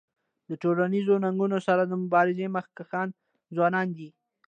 د ټولنیزو ننګونو سره د مبارزی مخکښان ځوانان دي.